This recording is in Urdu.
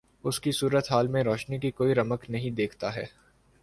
اس کی صورت حال میں روشنی کی کوئی رمق نہیں دیکھتا ہے۔